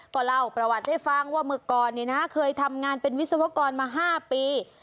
ก็เล่าประวัติให้ฟังว่าเมื่อก่อนเคยทำงานเป็นวิศวกรมา๕ปี